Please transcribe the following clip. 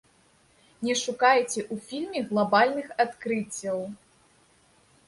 Не шукайце ў фільме глабальных адкрыццяў.